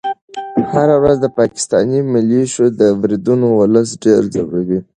هره ورځ د پاکستاني ملیشو بریدونه ولس ډېر ځوروي.